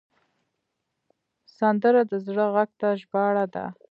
سندره د زړه غږ ته ژباړه ده